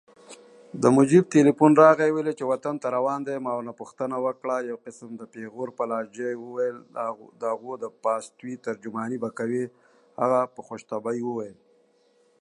Netsky is the grandson and nephew of traditional klezmer musicians.